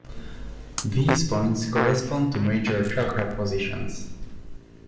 These points correspond to major chakra positions.